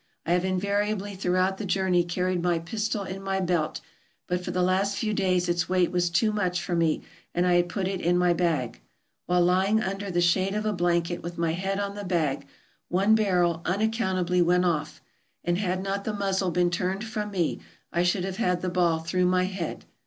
I have in variably throughout the journey carried my pistol in my belt, but for the last few days its weight was too much for me, and I had put it in my bag. While lying under the shade of a blanket, with my head on the bag, one barrel unaccountably went off, and, had not the muzzle been turned from me, I should have had the ball through my head.